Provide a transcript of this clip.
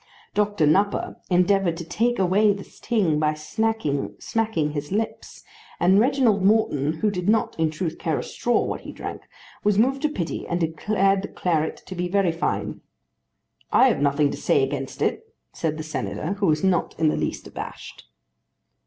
Doctor Nupper endeavoured to take away the sting by smacking his lips, and Reginald Morton, who did not in truth care a straw what he drank, was moved to pity and declared the claret to be very fine. "I have nothing to say against it," said the Senator, who was not in the least abashed.